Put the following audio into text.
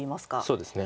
そうですね。